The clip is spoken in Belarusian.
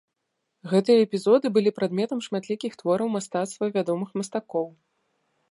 Гэтыя эпізоды былі прадметам шматлікіх твораў мастацтва вядомых мастакоў.